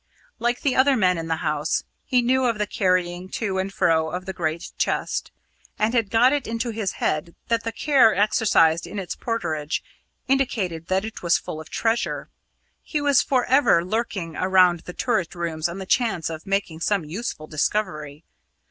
Like the other men in the house, he knew of the carrying to and fro of the great chest, and had got it into his head that the care exercised in its porterage indicated that it was full of treasure. He was for ever lurking around the turret rooms on the chance of making some useful discovery.